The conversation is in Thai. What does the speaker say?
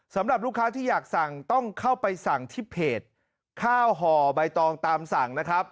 สำหรับลูกค้าที่อยากสั่งต้องเข้าไปสั่งที่เพจข้าวห่อใบตองตามสั่งนะครับ